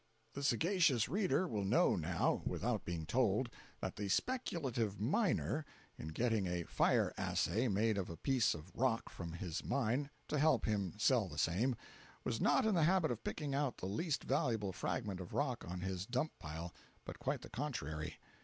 The sagacious reader will know now, without being told, that the speculative miner, in getting a "fire assay" made of a piece of rock from his mine (to help him sell the same), was not in the habit of picking out the least valuable fragment of rock on his dump pile, but quite the contrary.